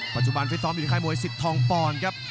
ปัจจุบันฟิศท้อมอิทธิค่ายมวยสิทธิ์ทองพรครับ